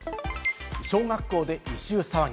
小学校で異臭騒ぎ。